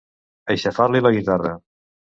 Aixafar-li la guitarra.